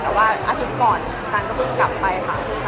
แต่ว่าอาจถูกก่อนว่านายก็กลับมาว่าย